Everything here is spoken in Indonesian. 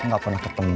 gak pernah ketemu